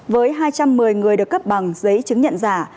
với hai trăm một mươi người được cấp bằng giấy chứng nhận giả